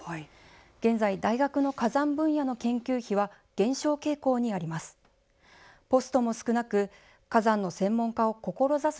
現在、大学の火山分野の研究費は減少傾向にあります。